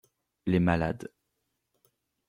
Les malades.